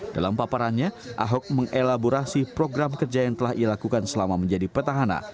dalam paparannya ahok mengelaborasi program kerja yang telah ia lakukan selama menjadi petahana